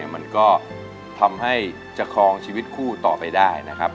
มันก็ทำให้จะคลองชีวิตคู่ต่อไปได้นะครับ